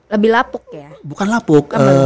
lebih lapuk ya bukan lapuk